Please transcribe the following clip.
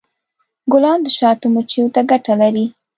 ګلان د شاتو مچیو ته ګټه لري.